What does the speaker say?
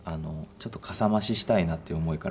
ちょっとかさまししたいなっていう思いからこれを。